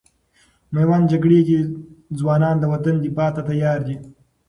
میوند جګړې کې ځوانان د وطن دفاع ته تیار دي.